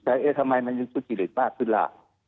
แต่เอ๊ะทำไมมันยังทุจริตมากขึ้นล่ะ